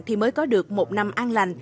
thì mới có được một năm an lành